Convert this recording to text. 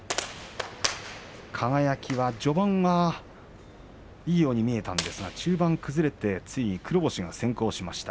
輝は序盤はいいように見えたんですが終盤崩れてついに黒星が先行しました。